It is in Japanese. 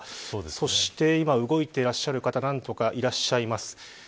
そして今、動いていらっしゃる方何人かいらっしゃいます。